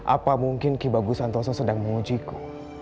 apa mungkin ki bagusantoso sedang menguji ku